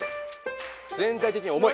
全体的に重い！